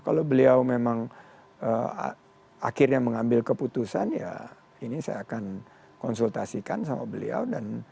kalau beliau memang akhirnya mengambil keputusan ya ini saya akan konsultasikan sama beliau